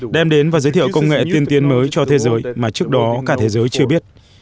đem đến và giới thiệu công nghệ tiên tiến mới cho thế giới mà trước đó cả thế giới chưa biết